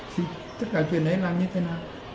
thì tất cả chuyện đấy là